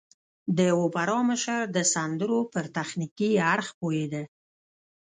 د اوپرا مشر د سندرو پر تخنيکي اړخ پوهېده.